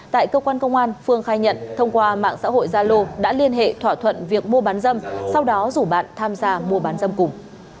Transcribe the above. tại cơ quan công an phương khai nhận thông qua mạng xã hội zalo đã liên hệ thỏa thuận việc mua bán dâm sau đó rủ bạn tham gia mua bán dâm cùng